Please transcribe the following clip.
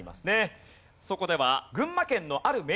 そこでは。